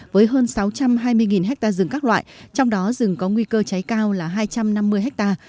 với hơn sáu trăm hai mươi ha rừng các loại trong đó rừng có nguy cơ cháy cao là hai trăm năm mươi ha